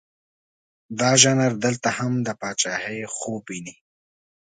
دا ژانر دلته هم د پاچهي خوب ویني.